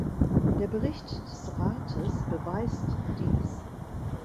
Der Bericht des Rates beweist dies.